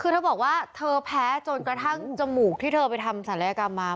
คือเธอบอกว่าเธอแพ้จนกระทั่งจมูกที่เธอไปทำศัลยกรรมมา